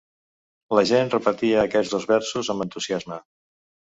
La gent repetia aquests dos versos amb entusiasme.